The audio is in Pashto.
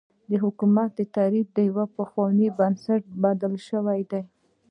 د حکومت تعریف د پخوا په نسبت بدل شوی دی.